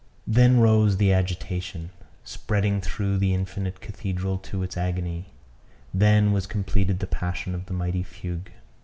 Then rose the agitation, spreading through the infinite cathedral, to its agony; then was completed the passion of the mighty fugue.